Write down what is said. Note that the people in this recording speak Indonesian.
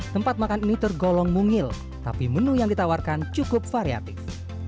tempat makan ini tergolong mungil tapi menu yang ditawarkan cukup variatif